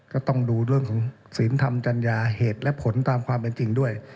ก็ต้องดูเรื่องของศีลธรรมจัญญาเหตุและผลตามความเป็นจริงด้วย